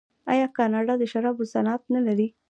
آیا کاناډا د شرابو صنعت نلري؟